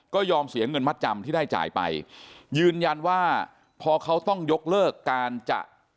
ก็ยอมเสียเงินมัดจำที่ได้จ่ายไปยืนยันว่าพอเขาต้องยกเลิกการจะ